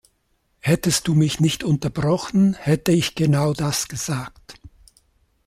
Hättest du mich nicht unterbrochen, hätte ich genau das gesagt.